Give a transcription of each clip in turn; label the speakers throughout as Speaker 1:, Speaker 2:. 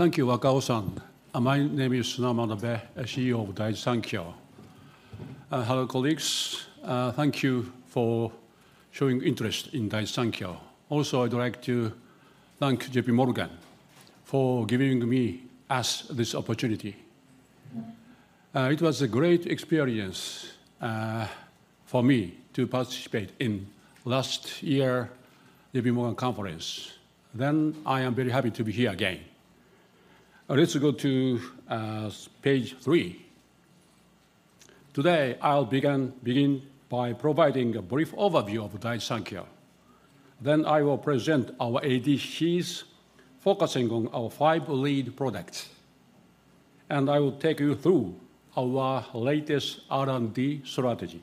Speaker 1: Thank you, Wakao-san. My name is Sunao Manabe, CEO of Daiichi Sankyo. Hello, colleagues. Thank you for showing interest in Daiichi Sankyo. Also, I'd like to thank J.P. Morgan for giving me, us, this opportunity. It was a great experience for me to participate in last year J.P. Morgan conference; then I am very happy to be here again. Let's go to page three. Today, I'll begin by providing a brief overview of Daiichi Sankyo. Then I will present our ADCs, focusing on our five lead products, and I will take you through our latest R&D strategy.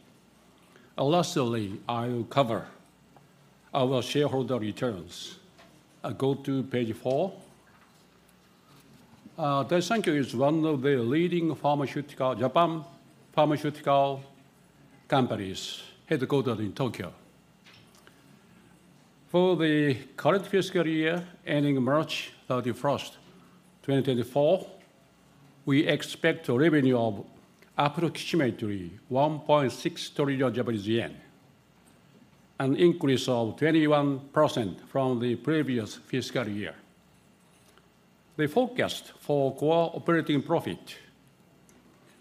Speaker 1: Lastly, I will cover our shareholder returns. Go to page four. Daiichi Sankyo is one of the leading Japan pharmaceutical companies, headquartered in Tokyo. For the current fiscal year, ending March 31, 2024, we expect a revenue of approximately 1.6 trillion Japanese yen, an increase of 21% from the previous fiscal year. The forecast for core operating profit,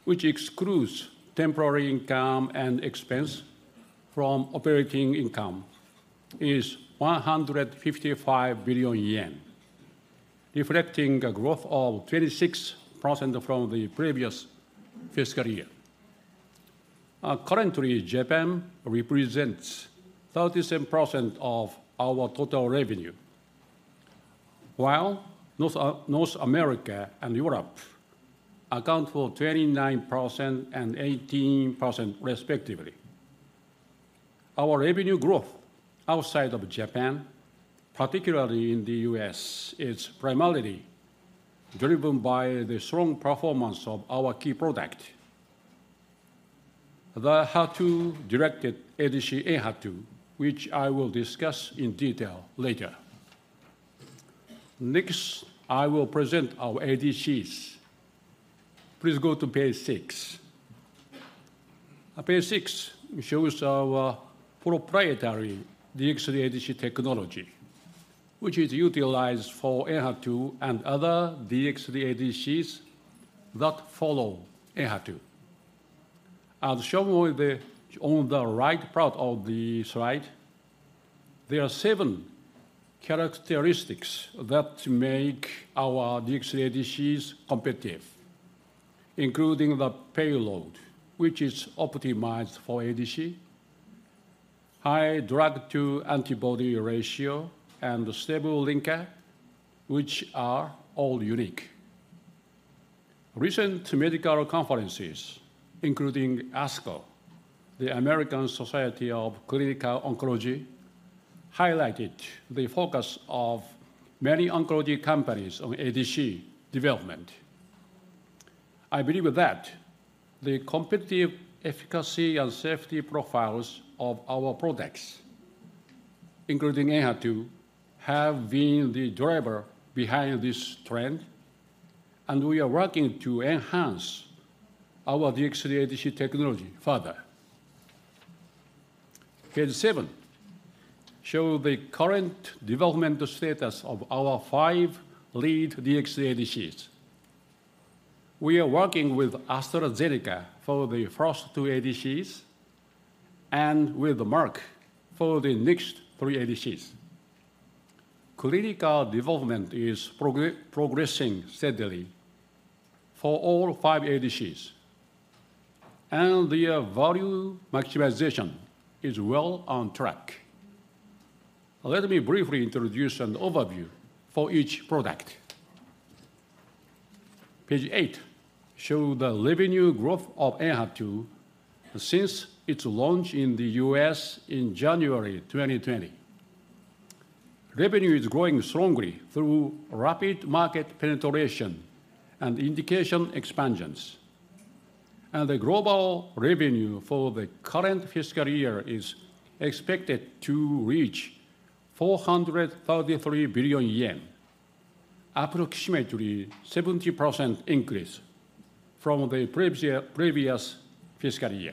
Speaker 1: which excludes temporary income and expense from operating income, is 155 billion yen, reflecting a growth of 26% from the previous fiscal year. Currently, Japan represents 37% of our total revenue, while North America and Europe account for 29% and 18% respectively. Our revenue growth outside of Japan, particularly in the US, is primarily driven by the strong performance of our key product, the HER2-directed ADC Enhertu, which I will discuss in detail later. Next, I will present our ADCs. Please go to page six. Page six shows our proprietary DXd ADC technology, which is utilized for Enhertu and other DXd ADCs that follow Enhertu. As shown on the right part of the slide, there are seven characteristics that make our DXd ADCs competitive, including the payload, which is optimized for ADC, high drug to antibody ratio, and stable linker, which are all unique. Recent medical conferences, including ASCO, the American Society of Clinical Oncology, highlighted the focus of many oncology companies on ADC development. I believe that the competitive efficacy and safety profiles of our products, including Enhertu, have been the driver behind this trend, and we are working to enhance our DXd ADC technology further. Page seven show the current development status of our five lead DXd ADCs. We are working with AstraZeneca for the first two ADCs and with Merck for the next three ADCs. Clinical development is progressing steadily for all five ADCs, and their value maximization is well on track. Let me briefly introduce an overview for each product. Page eight shows the revenue growth of Enhertu since its launch in the U.S. in January 2020. Revenue is growing strongly through rapid market penetration and indication expansions, and the global revenue for the current fiscal year is expected to reach 433 billion yen, approximately 70% increase from the previous fiscal year.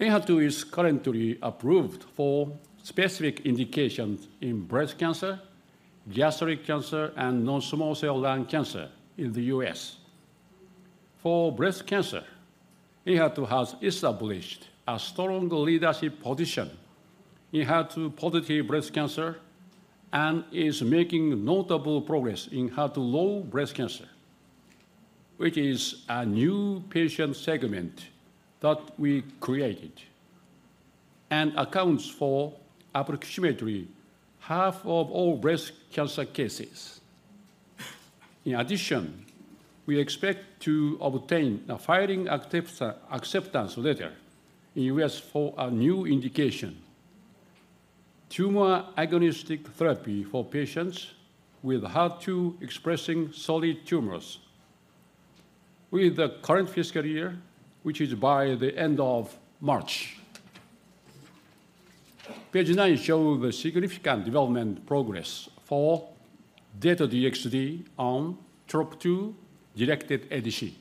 Speaker 1: Enhertu is currently approved for specific indications in breast cancer, gastric cancer, and non-small cell lung cancer in the U.S. For breast cancer, Enhertu has established a strong leadership position in HER2-positive breast cancer and is making notable progress in HER2-low breast cancer, which is a new patient segment that we created and accounts for approximately half of all breast cancer cases. In addition, we expect to obtain a filing acceptance letter in the U.S. for a new indication, tumor-agnostic therapy for patients with HER2-expressing solid tumors. Within the current fiscal year, which is by the end of March. Page nine shows the significant development progress for Dato-DXd, a TROP2-directed ADC.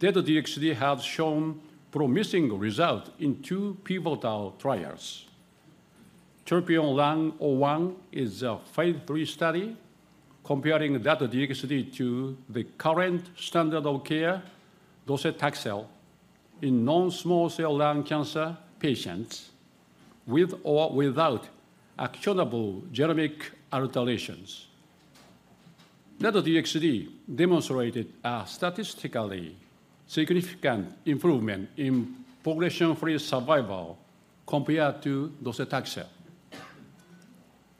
Speaker 1: Dato-DXd has shown promising results in two pivotal trials. TROPION-Lung01 is a phase III study comparing Dato-DXd to the current standard of care, docetaxel, in non-small cell lung cancer patients with or without actionable genomic alterations. Dato-DXd demonstrated a statistically significant improvement in progression-free survival compared to docetaxel.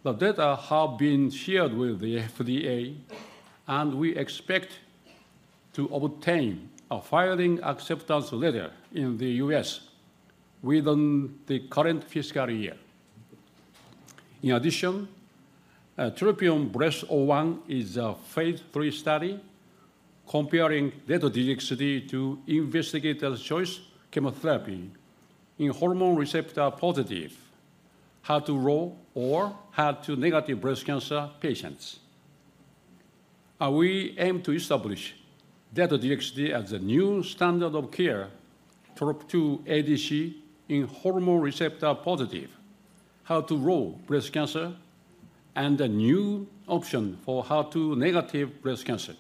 Speaker 1: The data have been shared with the FDA, and we expect to obtain a filing acceptance letter in the U.S. within the current fiscal year. In addition, TROPION-Breast01 is a phase III study comparing Dato-DXd to investigator's choice chemotherapy in hormone receptor-positive, HER2-low or HER2-negative breast cancer patients. We aim to establish Dato-DXd as a new standard of care for TROP2 ADC in hormone receptor-positive, HER2-low breast cancer, and a new option for HER2-negative breast cancer.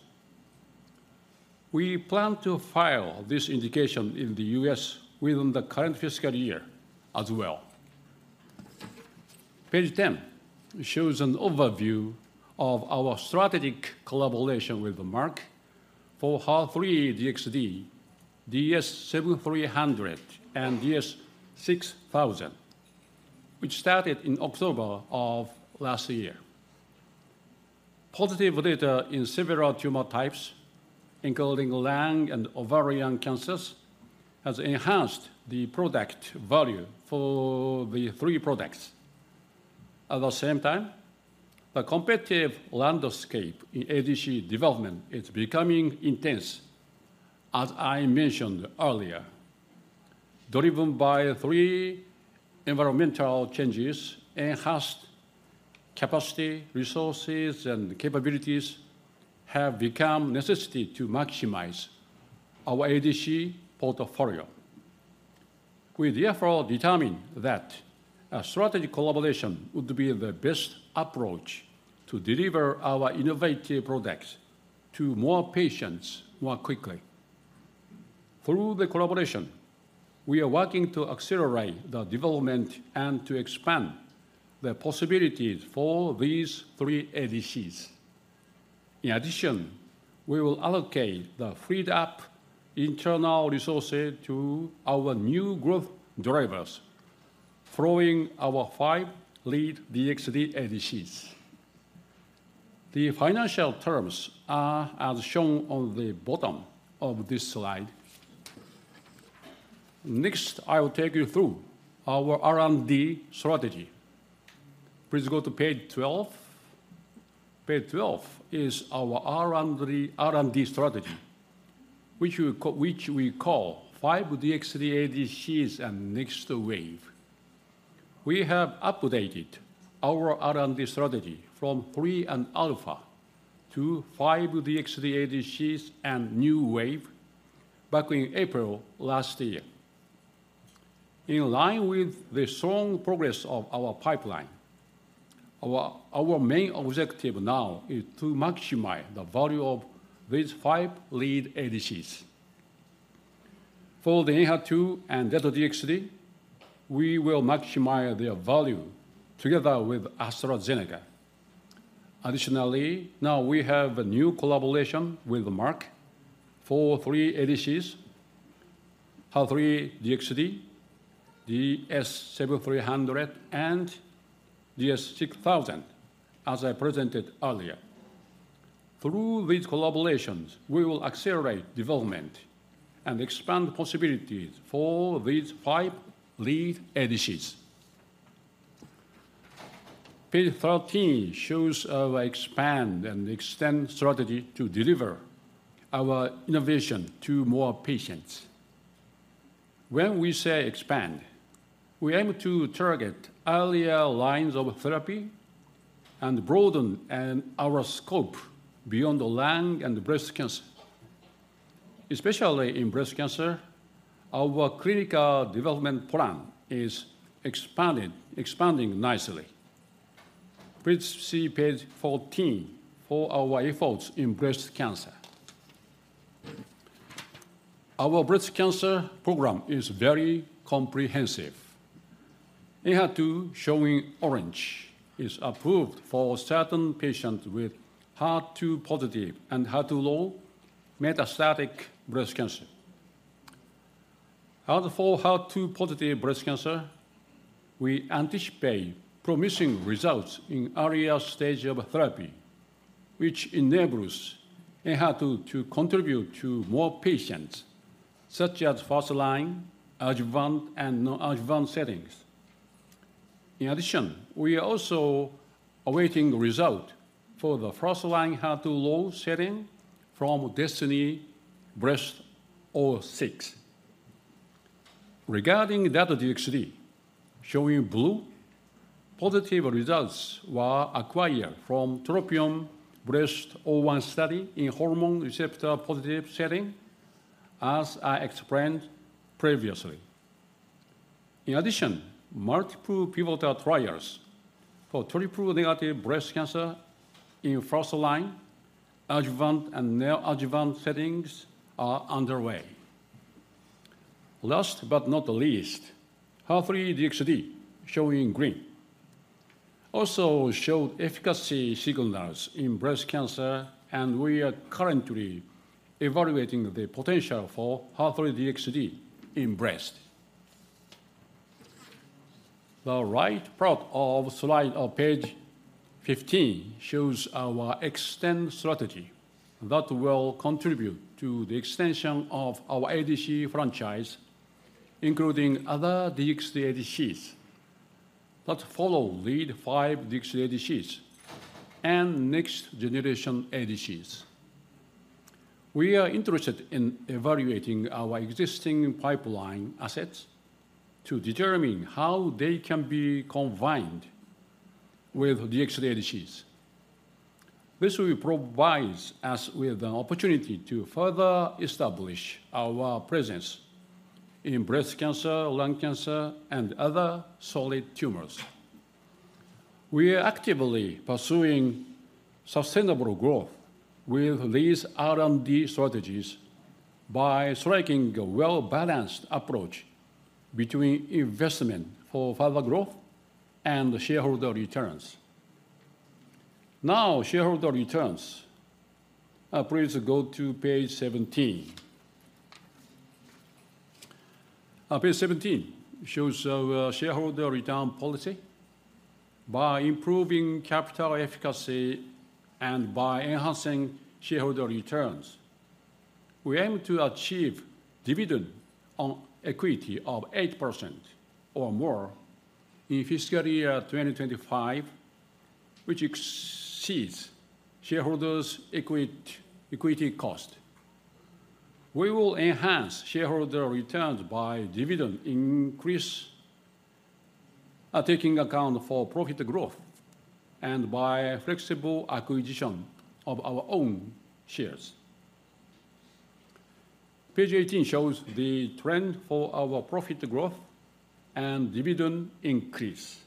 Speaker 1: We plan to file this indication in the US within the current fiscal year as well. Page 10 shows an overview of our strategic collaboration with Merck for HER3-DXd, DS-7300, and DS-6000, which started in October of last year. Positive data in several tumor types, including lung and ovarian cancers, has enhanced the product value for the three products. At the same time, the competitive landscape in ADC development is becoming intense, as I mentioned earlier. Driven by three environmental changes, enhanced capacity, resources, and capabilities have become necessary to maximize our ADC portfolio. We therefore determined that a strategic collaboration would be the best approach to deliver our innovative products to more patients, more quickly. Through the collaboration, we are working to accelerate the development and to expand the possibilities for these three ADCs. In addition, we will allocate the freed-up internal resources to our new growth drivers, following our five lead DXd ADCs. The financial terms are as shown on the bottom of this slide. Next, I will take you through our R&D strategy. Please go to page 12. Page 12 is our R&D strategy, which we call Five DXd ADCs and Next Wave. We have updated our R&D strategy from three and alpha to five DXd ADCs and Next Wave back in April last year. In line with the strong progress of our pipeline, our main objective now is to maximize the value of these five lead ADCs. For the Enhertu and Dato-DXd, we will maximize their value together with AstraZeneca. Additionally, now we have a new collaboration with Merck for three ADCs, HER3-DXd, DS-7300, and DS-6000, as I presented earlier. Through these collaborations, we will accelerate development and expand possibilities for these five lead ADCs. Page 13 shows our expand and extend strategy to deliver our innovation to more patients. When we say expand, we aim to target earlier lines of therapy and broaden our scope beyond the lung and breast cancer. Especially in breast cancer, our clinical development plan is expanding nicely. Please see page 14 for our efforts in breast cancer. Our breast cancer program is very comprehensive. Enhertu, shown in orange, is approved for certain patients with HER2-positive and HER2-low metastatic breast cancer. For HER2-positive breast cancer, we anticipate promising results in earlier stage of therapy, which enables Enhertu to contribute to more patients, such as first-line, adjuvant, and neoadjuvant settings. In addition, we are also awaiting the result for the first-line HER2-low setting from DESTINY-Breast06. Regarding Dato-DXd, shown in blue, positive results were acquired from TROPION-Breast01 study in hormone receptor-positive setting, as I explained previously. In addition, multiple pivotal trials for triple-negative breast cancer in first-line, adjuvant, and neoadjuvant settings are underway. Last but not least, HER3-DXd, shown in green, also showed efficacy signals in breast cancer, and we are currently evaluating the potential for HER3-DXd in breast. The right part of slide of page 15 shows our extended strategy that will contribute to the extension of our ADC franchise, including other DXd ADCs that follow lead 5 DXd ADCs and next generation ADCs. We are interested in evaluating our existing pipeline assets to determine how they can be combined with DXd ADCs. This will provide us with an opportunity to further establish our presence in breast cancer, lung cancer, and other solid tumors. We are actively pursuing sustainable growth with these R&D strategies by striking a well-balanced approach between investment for further growth and shareholder returns. Now, shareholder returns. Please go to page 17. Page 17 shows our shareholder return policy by improving capital efficacy and by enhancing shareholder returns. We aim to achieve dividend on equity of 8% or more in fiscal year 2025, which exceeds shareholders' equity cost. We will enhance shareholder returns by dividend increase, taking account for profit growth and by flexible acquisition of our own shares. Page 18 shows the trend for our profit growth and dividend increase.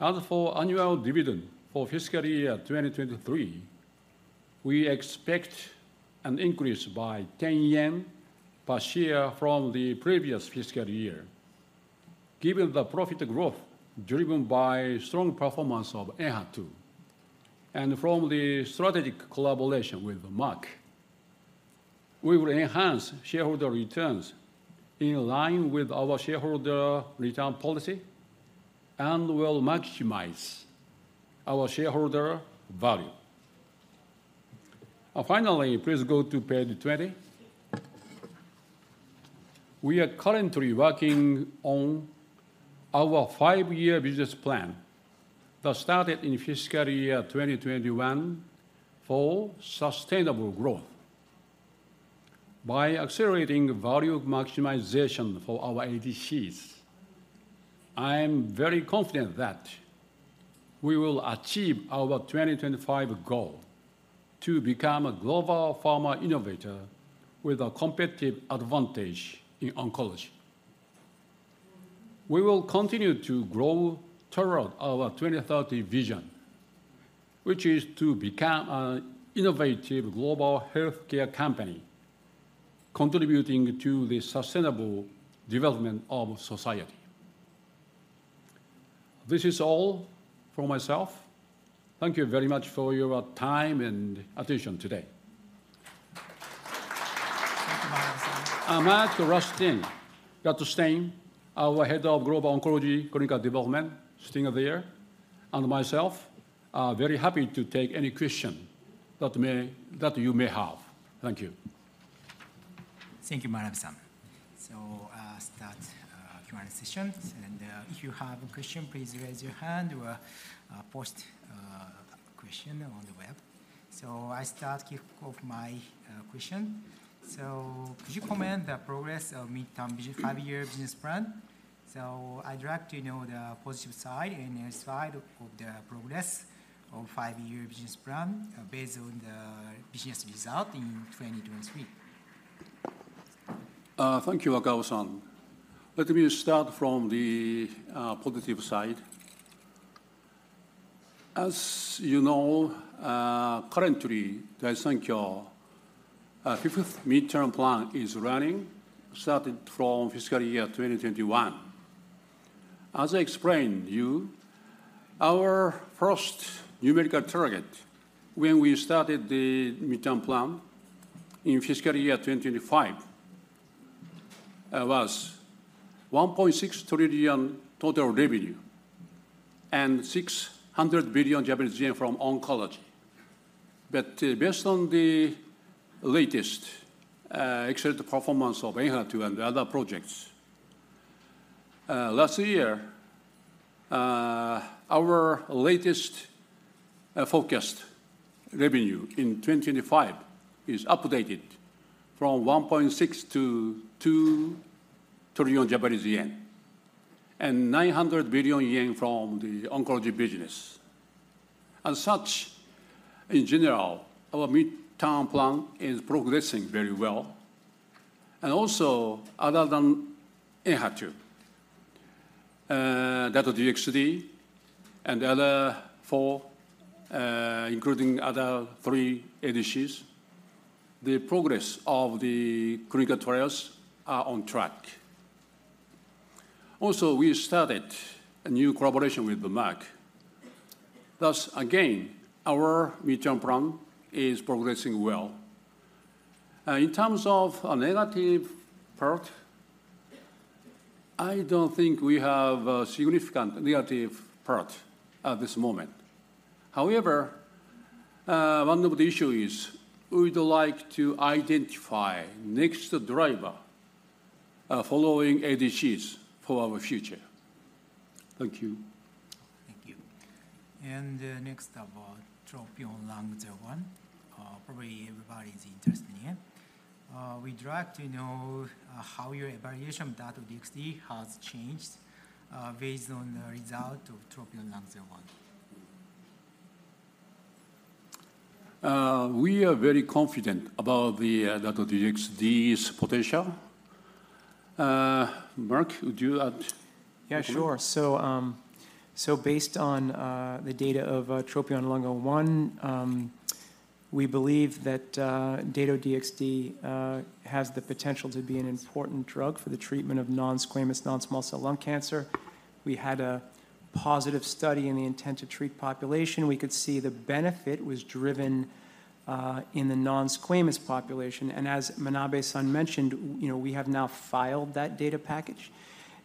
Speaker 1: As for annual dividend for fiscal year 2023, we expect an increase by 10 yen per share from the previous fiscal year, given the profit growth driven by strong performance of Enhertu and from the strategic collaboration with Merck. We will enhance shareholder returns in line with our shareholder return policy and will maximize our shareholder value. Finally, please go to page 20. We are currently working on our five-year business plan that started in fiscal year 2021 for sustainable growth. By accelerating value maximization for our ADCs, I am very confident that we will achieve our 2025 goal to become a global pharma innovator with a competitive advantage in oncology. We will continue to grow toward our 2030 vision, which is to become an innovative global healthcare company, contributing to the sustainable development of society. This is all for myself. Thank you very much for your time and attention today. Thank you, Manabe-san. Mark Rutstein, Dr. Rutstein, our Head of Global Oncology Clinical Development, sitting there, and myself are very happy to take any question that may, that you may have. Thank you.
Speaker 2: Thank you, Manabe-san. So, start the Q&A session, and if you have a question, please raise your hand or post a question on the web. So I start kick off my question. So could you comment on the progress of mid-term business, five-year business plan? So I'd like to know the positive side and negative side of the progress of five-year business plan, based on the business result in 2023.
Speaker 1: Thank you, Wakao-san. Let me start from the positive side. As you know, currently, Daiichi Sankyo fifth midterm plan is running, starting from fiscal year 2021. As I explained you, our first numerical target when we started the midterm plan in fiscal year 2025 was 1.6 trillion total revenue and 600 billion Japanese yen from oncology. But based on the latest excellent performance of Enhertu and other projects, last year our latest forecast revenue in 2025 is updated from 1.6 trillion to 2 trillion Japanese yen and 900 billion yen from the oncology business. As such, in general, our midterm plan is progressing very well. And also, other than Enhertu, Dato-DXd and the other four, including other three ADCs, the progress of the clinical trials are on track. Also, we started a new collaboration with Merck. Thus, again, our midterm plan is progressing well. In terms of a negative part, I don't think we have a significant negative part at this moment. However, one of the issue is we would like to identify next driver, following ADCs for our future. Thank you.
Speaker 2: Thank you. And, next about TROPION-Lung01, probably everybody is interested in it. We'd like to know, how your evaluation Dato-DXd has changed, based on the result of TROPION-Lung01.
Speaker 1: We are very confident about the Dato-DXd's potential. Mark, would you add?
Speaker 3: Yeah, sure. So, so based on, the data of, TROPION-Lung01, we believe that, Dato-DXd, has the potential to be an important drug for the treatment of non-squamous non-small cell lung cancer. We had a positive study in the intent to treat population. We could see the benefit was driven, in the non-squamous population. And as Manabe-san mentioned, you know, we have now filed that data package,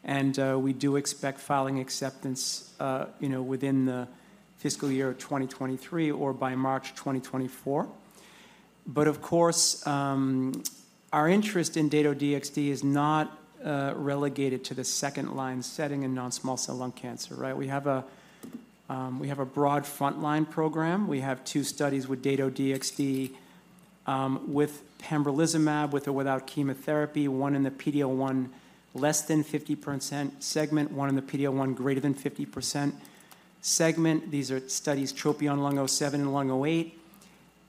Speaker 3: and, we do expect filing acceptance, you know, within the fiscal year of 2023 or by March 2024. But of course, our interest in Dato-DXd is not, relegated to the second-line setting in non-small cell lung cancer, right? We have a, we have a broad frontline program. We have two studies with Dato-DXd, with pembrolizumab, with or without chemotherapy, one in the PD-L1 less than 50% segment, one in the PD-L1 greater than 50% segment. These are studies TROPION-Lung07 and TROPION-Lung08.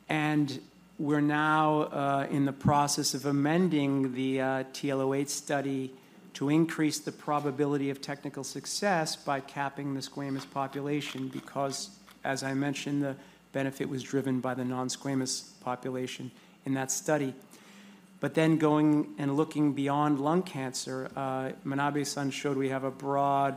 Speaker 3: And we're now in the process of amending the TROPION-Lung08 study to increase the probability of technical success by capping the squamous population, because, as I mentioned, the benefit was driven by the non-squamous population in that study. But then going and looking beyond lung cancer, Manabe-san showed we have a broad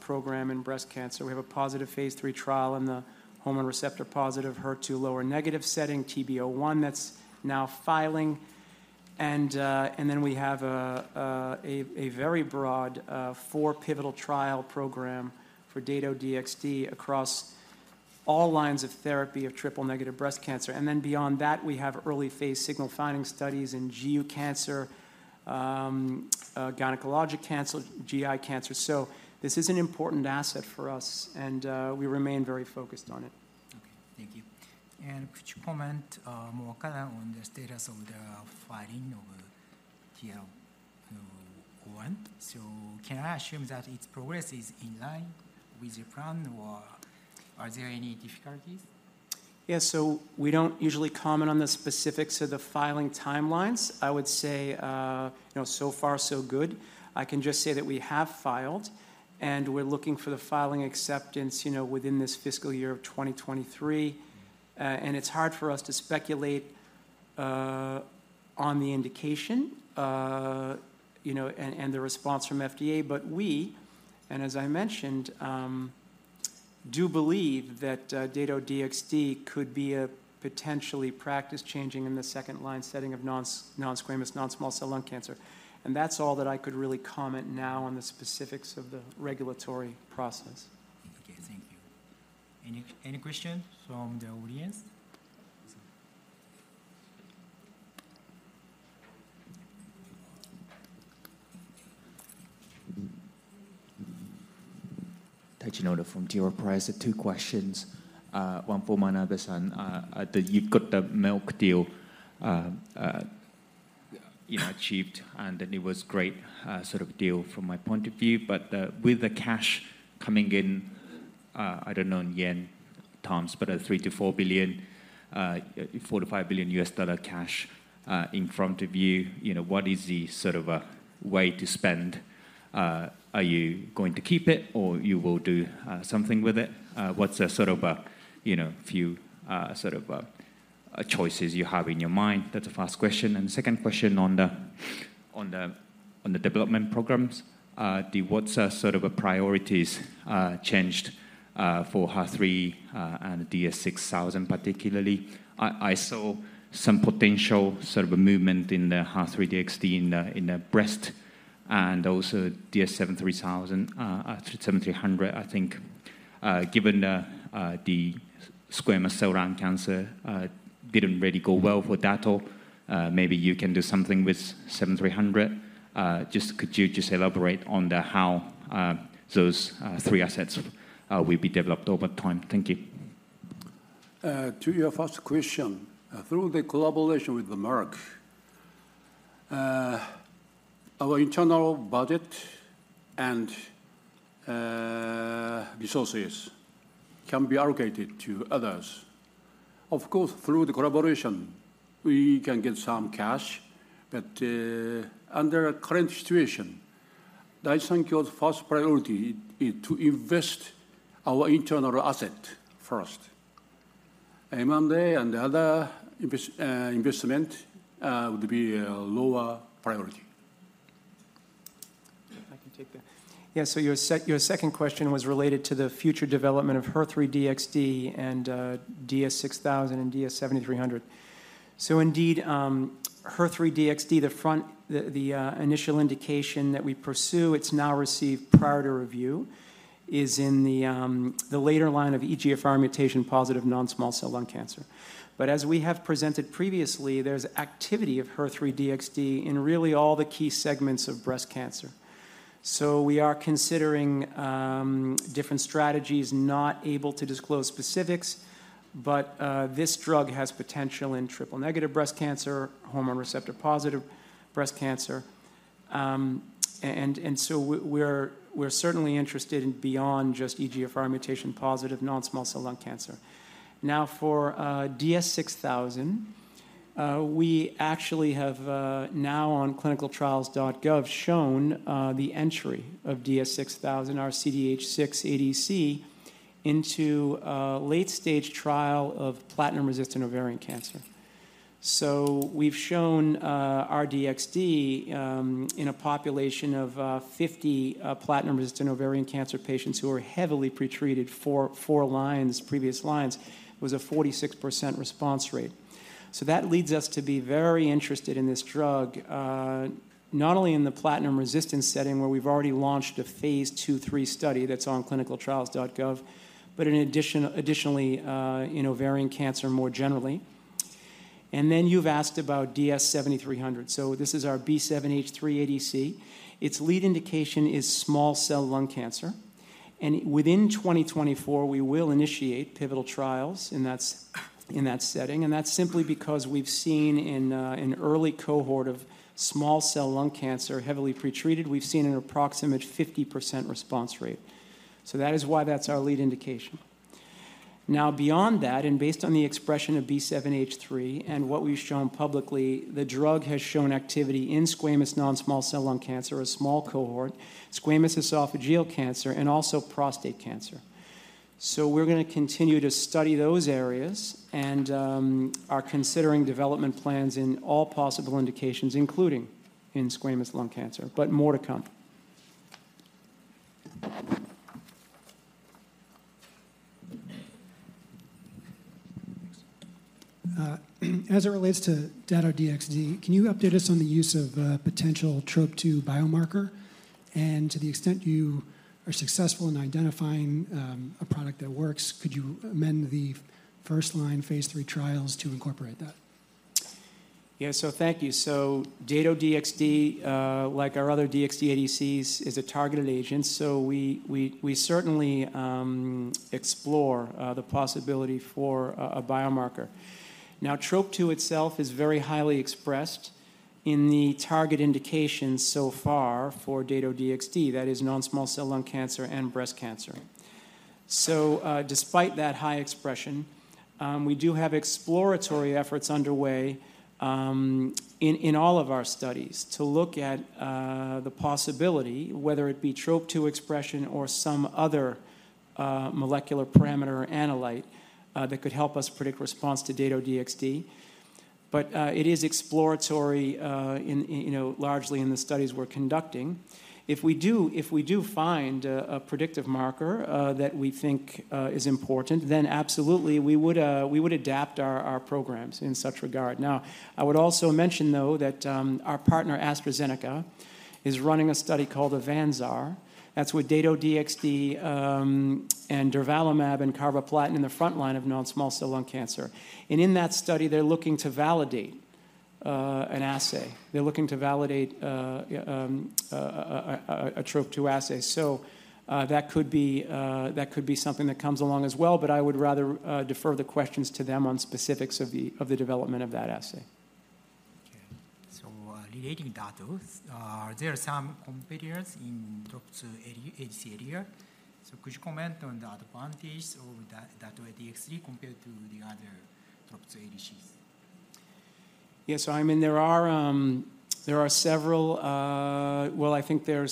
Speaker 3: program in breast cancer. We have a positive phase III trial in the hormone receptor-positive HER2-low negative setting, TROPION-Breast01, that's now filing. And then we have a very broad four pivotal trial program for Dato-DXd across all lines of therapy of triple-negative breast cancer. And then beyond that, we have early phase signal finding studies in GU cancer, gynecologic cancer, GI cancer. So this is an important asset for us, and we remain very focused on it.
Speaker 2: Okay. Thank you. And could you comment, more kind of on the status of the filing of, TL01? So can I assume that its progress is in line with your plan, or are there any difficulties?
Speaker 3: Yeah, so we don't usually comment on the specifics of the filing timelines. I would say, you know, so far so good. I can just say that we have filed, and we're looking for the filing acceptance, you know, within this fiscal year of 2023. And it's hard for us to speculate, on the indication, you know, and, and the response from FDA. But we, and as I mentioned, do believe that, Dato-DXd could be a potentially practice-changing in the second-line setting of non-s, non-squamous non-small cell lung cancer. And that's all that I could really comment now on the specifics of the regulatory process.
Speaker 2: Okay, thank you. Any questions from the audience?
Speaker 4: Taichi Noda from T. Rowe Price. Two questions. One for Manabe-san. You've got the Merck deal, you know, achieved, and then it was great, sort of deal from my point of view. But, with the cash coming in, I don't know in yen terms, but $3-4 billion, $4-5 billion cash in front of you, you know, what is the sort of way to spend? Are you going to keep it, or you will do something with it? What's the sort of, you know, few, sort of choices you have in your mind? That's the first question. And the second question on the development programs, the what's sort of a priorities changed for HER3 and DS-6000 particularly? I saw some potential sort of a movement in the HER3-DXd in the breast and also DS-7300, I think. Given the squamous cell lung cancer.... didn't really go well with Dato-DXd. Maybe you can do something with DS-7300. Just could you just elaborate on the how, those three assets will be developed over time? Thank you.
Speaker 1: To your first question, through the collaboration with Merck, our internal budget and resources can be allocated to others. Of course, through the collaboration, we can get some cash, but under current situation, Daiichi Sankyo's first priority is to invest our internal asset first. M&A and other investment would be a lower priority.
Speaker 3: I can take that. Yeah, so your second question was related to the future development of HER3-DXd and DS-6000 and DS-7300. So indeed, HER3-DXd, the initial indication that we pursue, it's now received priority review, is in the later line of EGFR mutation-positive non-small cell lung cancer. But as we have presented previously, there's activity of HER3-DXd in really all the key segments of breast cancer. So we are considering different strategies, not able to disclose specifics, but this drug has potential in triple-negative breast cancer, hormone receptor-positive breast cancer. And so we're certainly interested in beyond just EGFR mutation-positive non-small cell lung cancer. Now, for DS-6000, we actually have now on ClinicalTrials.gov shown the entry of DS-6000, our CDH6 ADC, into a late-stage trial of platinum-resistant ovarian cancer. So we've shown our DXd in a population of 50 platinum-resistant ovarian cancer patients who are heavily pretreated four, four lines, previous lines, was a 46% response rate. So that leads us to be very interested in this drug, not only in the platinum-resistant setting, where we've already launched a phase II/III study that's on ClinicalTrials.gov, but additionally in ovarian cancer more generally. And then you've asked about DS-7300. So this is our B7-H3 ADC. Its lead indication is small cell lung cancer, and within 2024, we will initiate pivotal trials, and that's in that setting. And that's simply because we've seen in an early cohort of small cell lung cancer, heavily pretreated, we've seen an approximate 50% response rate. So that is why that's our lead indication. Now, beyond that, and based on the expression of B7-H3 and what we've shown publicly, the drug has shown activity in squamous non-small cell lung cancer, a small cohort, squamous esophageal cancer, and also prostate cancer. So we're gonna continue to study those areas and are considering development plans in all possible indications, including in squamous lung cancer, but more to come.
Speaker 5: As it relates to Dato-DXd, can you update us on the use of potential Trop-2 biomarker? And to the extent you are successful in identifying a product that works, could you amend the first-line phase III trials to incorporate that?
Speaker 3: Yeah, so thank you. So Dato-DXd, like our other DXd ADCs, is a targeted agent, so we certainly explore the possibility for a biomarker. Now, Trop-2 itself is very highly expressed in the target indications so far for Dato-DXd, that is non-small cell lung cancer and breast cancer. So, despite that high expression, we do have exploratory efforts underway, in all of our studies to look at the possibility, whether it be Trop-2 expression or some other molecular parameter or analyte that could help us predict response to Dato-DXd. But, it is exploratory, in you know, largely in the studies we're conducting. If we do find a predictive marker that we think is important, then absolutely, we would adapt our programs in such regard. Now, I would also mention, though, that, our partner, AstraZeneca, is running a study called AVANZAR. That's with Dato-DXd, and durvalumab and carboplatin in the frontline of non-small cell lung cancer. And in that study, they're looking to validate, an assay. They're looking to validate, Trop-2 assay. So, that could be, that could be something that comes along as well, but I would rather, defer the questions to them on specifics of the, of the development of that assay.
Speaker 5: Okay. So, relating to Dato, there are some competitors in Trop-2 area, ADC area. So could you comment on the advantage of Dato-DXd compared to the other Trop-2 ADCs?
Speaker 3: Yes, so I mean, there are several. Well, I think there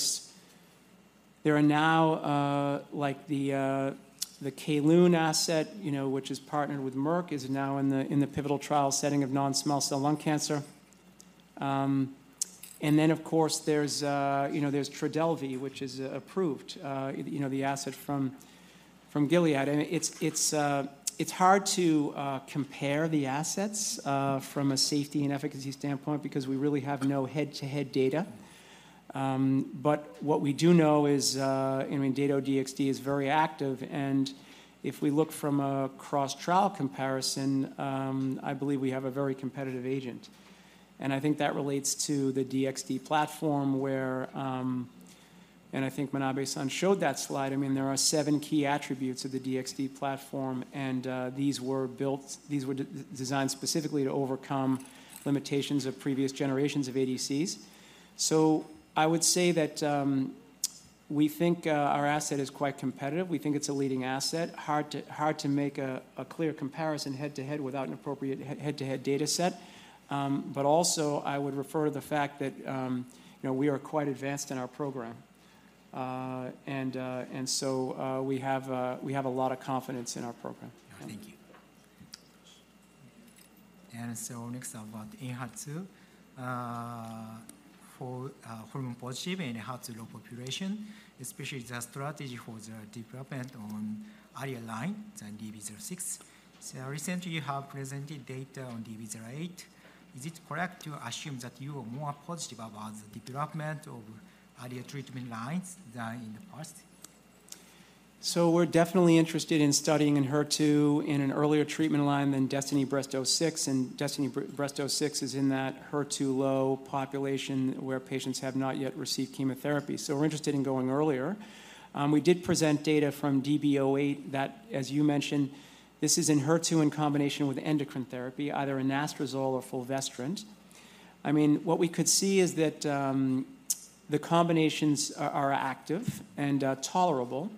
Speaker 3: are now, like the Kelun asset, you know, which is partnered with Merck, is now in the pivotal trial setting of non-small cell lung cancer. And then, of course, there's, you know, there's Trodelvy, which is approved, you know, the asset from Gilead. And it's hard to compare the assets from a safety and efficacy standpoint because we really have no head-to-head data. But what we do know is, I mean, Dato-DXd is very active, and if we look from a cross-trial comparison, I believe we have a very competitive agent. I think that relates to the DXd platform, where and I think Manabe-san showed that slide. I mean, there are seven key attributes of the DXd platform, and these were designed specifically to overcome limitations of previous generations of ADCs. So I would say that we think our asset is quite competitive. We think it's a leading asset. Hard to make a clear comparison head-to-head without an appropriate head-to-head data set. But also, I would refer to the fact that, you know, we are quite advanced in our program. And so we have a lot of confidence in our program.
Speaker 5: Thank you.
Speaker 2: So next, about Enhertu, for hormone-positive and HER2-low population, especially the strategy for the development on earlier line than DB-06. So recently, you have presented data on DB-08. Is it correct to assume that you are more positive about the development of earlier treatment lines than in the past?
Speaker 3: So we're definitely interested in studying Enhertu in an earlier treatment line than DESTINY-Breast06, and DESTINY-Breast06 is in that HER2-low population where patients have not yet received chemotherapy. So we're interested in going earlier. We did present data from DESTINY-Breast08 that, as you mentioned, this is Enhertu in combination with endocrine therapy, either anastrozole or fulvestrant. I mean, what we could see is that the combinations are active and tolerable,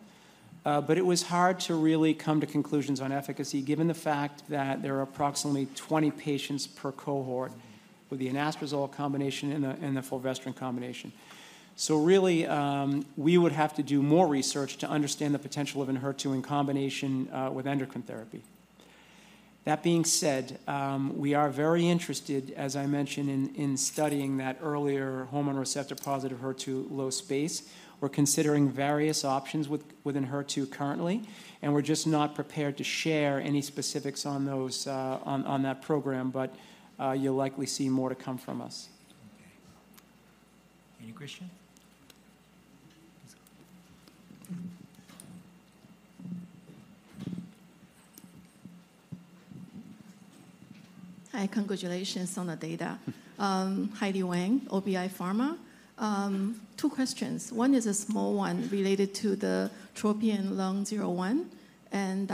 Speaker 3: but it was hard to really come to conclusions on efficacy, given the fact that there are approximately 20 patients per cohort with the anastrozole combination and the fulvestrant combination. So really, we would have to do more research to understand the potential of Enhertu in combination with endocrine therapy. That being said, we are very interested, as I mentioned, in studying that earlier hormone receptor-positive HER2-low space. We're considering various options within HER2 currently, and we're just not prepared to share any specifics on those, on that program, but you'll likely see more to come from us.
Speaker 2: Okay. Any question? Please go.
Speaker 6: Hi, congratulations on the data.
Speaker 3: Thank you.
Speaker 6: Heidi Wang, OBI Pharma. Two questions. One is a small one related to the TROPION-Lung01, and,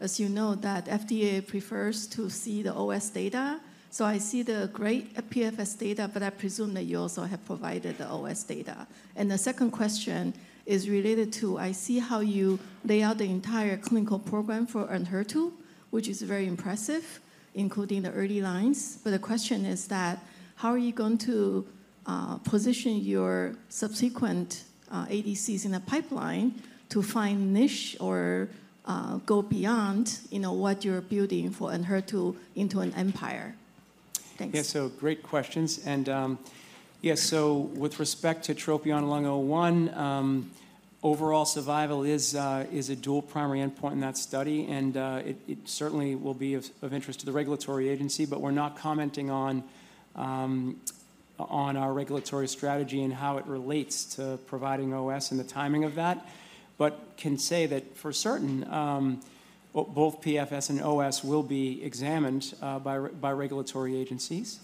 Speaker 6: as you know, the FDA prefers to see the OS data. So I see the great PFS data, but I presume that you also have provided the OS data. And the second question is related to: I see how you lay out the entire clinical program for Enhertu, which is very impressive, including the early lines. But the question is that: How are you going to position your subsequent ADCs in the pipeline to find niche or go beyond, you know, what you're building for Enhertu into an empire? Thanks.
Speaker 3: Yeah, so great questions. With respect to TROPION-Lung01, overall survival is a dual primary endpoint in that study, and it certainly will be of interest to the regulatory agency. But we're not commenting on our regulatory strategy and how it relates to providing OS and the timing of that, but can say that for certain, both PFS and OS will be examined by regulatory agencies.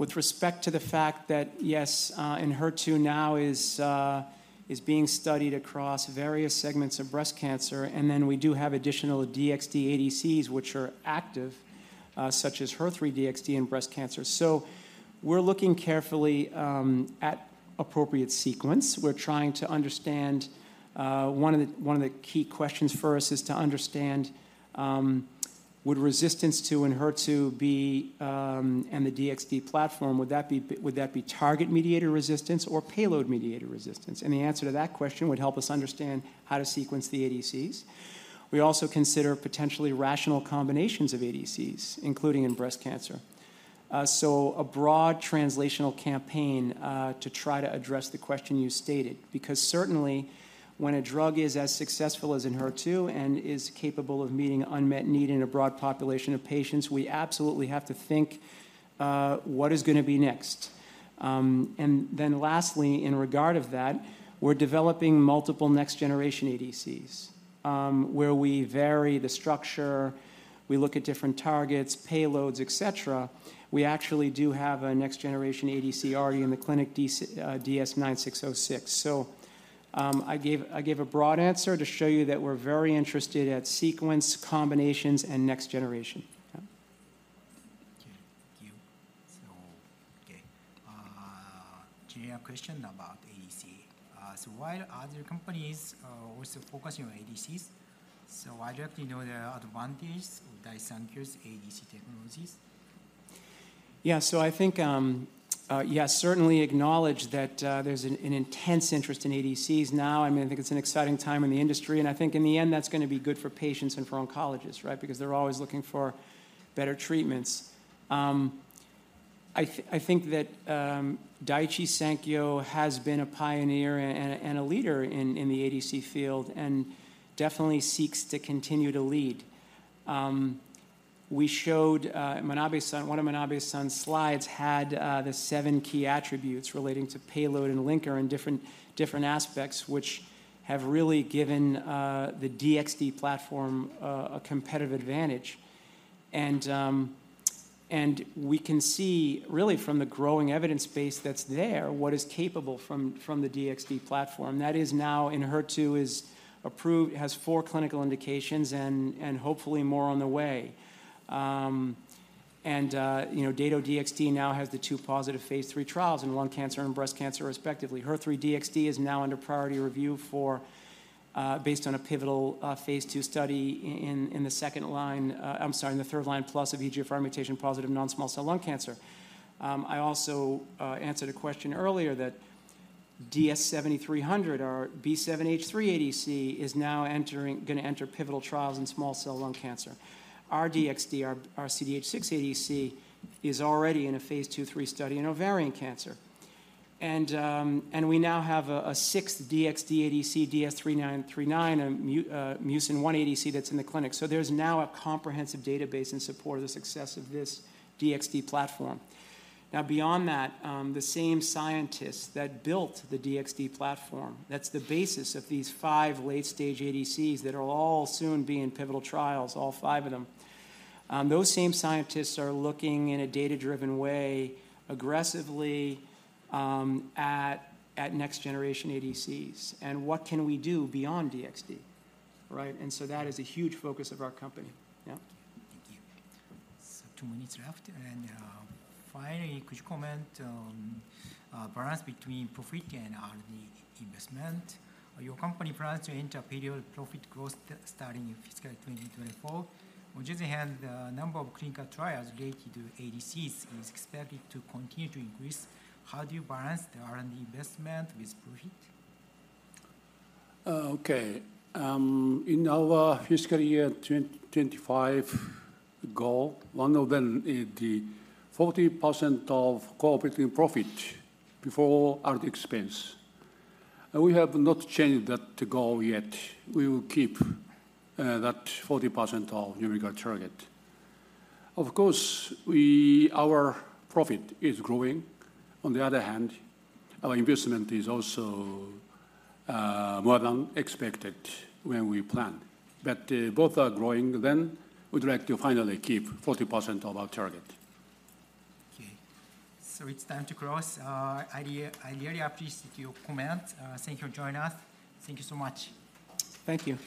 Speaker 3: With respect to the fact that, yes, Enhertu now is being studied across various segments of breast cancer, and then we do have additional DXd ADCs, which are active, such as HER3-DXd in breast cancer. So we're looking carefully at appropriate sequence. We're trying to understand... One of the key questions for us is to understand would resistance to Enhertu be and the DXd platform, would that be target-mediated resistance or payload-mediated resistance? And the answer to that question would help us understand how to sequence the ADCs. We also consider potentially rational combinations of ADCs, including in breast cancer. So a broad translational campaign to try to address the question you stated, because certainly, when a drug is as successful as Enhertu and is capable of meeting unmet need in a broad population of patients, we absolutely have to think what is gonna be next. And then lastly, in regard of that, we're developing multiple next-generation ADCs, where we vary the structure, we look at different targets, payloads, et cetera. We actually do have a next-generation ADC already in the clinic, DS-9606. So, I gave a broad answer to show you that we're very interested in sequencing, combinations, and next generation. Yeah.
Speaker 2: Thank you. So, okay, general question about ADC. So while other companies are also focusing on ADCs, so why don't you know the advantage of Daiichi Sankyo's ADC technologies?
Speaker 3: Yeah, so I think, yeah, certainly acknowledge that, there's an intense interest in ADCs now. I mean, I think it's an exciting time in the industry, and I think in the end, that's gonna be good for patients and for oncologists, right? Because they're always looking for better treatments. I think that Daiichi Sankyo has been a pioneer and a leader in the ADC field and definitely seeks to continue to lead. We showed Manabe-san, one of Manabe-san's slides had the seven key attributes relating to payload and linker and different aspects, which have really given the DXd platform a competitive advantage. And we can see really from the growing evidence base that's there, what is capable from the DXd platform. That is now in HER2 is approved, it has 4 clinical indications and hopefully more on the way. And you know, Dato-DXd now has the 2 positive phase III trials in lung cancer and breast cancer, respectively. HER3-DXd is now under priority review for, based on a pivotal phase II study in the third line plus EGFR mutation-positive non-small cell lung cancer. I also answered a question earlier that DS-7300 or B7-H3 ADC is now gonna enter pivotal trials in small cell lung cancer. R-DXd, our CDH6 ADC, is already in a phase II/III study in ovarian cancer. And we now have a sixth DXd-ADC, DS-3939, a Mucin 1 ADC that's in the clinic. So there's now a comprehensive database in support of the success of this DXd platform. Now, beyond that, the same scientists that built the DXd platform, that's the basis of these five late-stage ADCs that will all soon be in pivotal trials, all five of them. Those same scientists are looking in a data-driven way, aggressively, at next generation ADCs, and what can we do beyond DXd, right? And so that is a huge focus of our company. Yeah.
Speaker 2: Thank you. So two minutes left, and, finally, could you comment on balance between profit and R&D investment? Your company plans to enter a period of profit growth starting in fiscal 2024, which has had the number of clinical trials related to ADCs, is expected to continue to increase. How do you balance the R&D investment with profit?
Speaker 1: Okay. In our fiscal year 2025 goal, one of them is the 40% of core operating profit before R&D expense. We have not changed that goal yet. We will keep that 40% numerical target. Of course, our profit is growing. On the other hand, our investment is also more than expected when we planned. Both are growing, then we'd like to finally keep 40% of our target.
Speaker 2: Okay. So it's time to close. I really, I really appreciate your comment. Thank you for joining us. Thank you so much.
Speaker 3: Thank you.